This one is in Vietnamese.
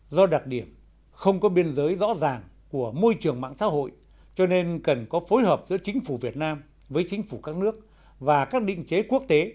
do đặc điểm không có biên giới rõ ràng của môi trường mạng xã hội cho nên cần có phối hợp giữa chính phủ việt nam với chính phủ các nước và các định chế quốc tế